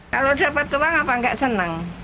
kalau dapat cuma kenapa nggak senang